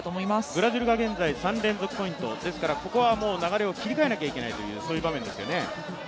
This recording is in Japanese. ブラジルが現在３連続ポイントですからここは流れを切り替えなきゃいけないという場面ですよね。